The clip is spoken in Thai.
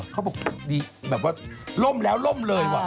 เขาบอกดีแบบว่าล่มแล้วล่มเลยว่ะ